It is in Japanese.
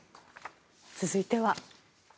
続いては。